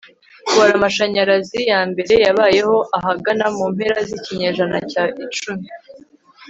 Kubara amashanyarazi ya mbere yabayeho ahagana mu mpera zikinyejana cya icumi